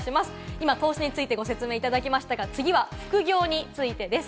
今、投資についてご説明いただきましたが、次は副業についてです。